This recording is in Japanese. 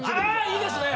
いいですね！